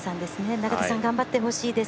永田さん頑張ってほしいです。